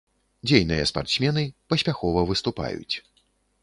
Дзейныя спартсмены, паспяхова выступаюць.